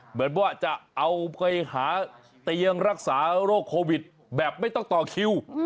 เหมือนว่าจะเอาไปหาเตียงรักษาโรคโควิดแบบไม่ต้องต่อคิว